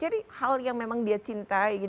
jadi hal yang memang dia cintai gitu